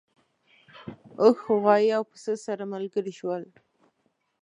اوښ غوایی او پسه سره ملګري شول.